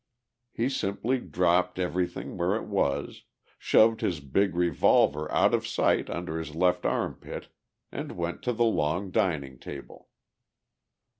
He simply dropped everything where it was, shoved his big revolver out of sight under his left arm pit and went to the long dining table.